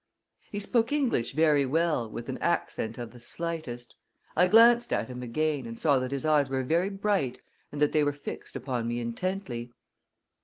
He spoke English very well, with an accent of the slightest. I glanced at him again, and saw that his eyes were very bright and that they were fixed upon me intently.